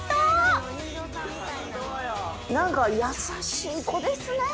何か優しい子ですね。